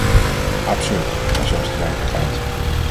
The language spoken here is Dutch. Absurd, maar zo is de werkelijkheid!